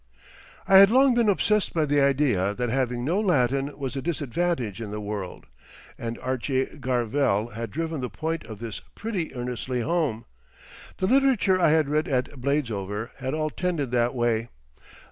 _" I had long been obsessed by the idea that having no Latin was a disadvantage in the world, and Archie Garvell had driven the point of this pretty earnestly home. The literature I had read at Bladesover had all tended that way.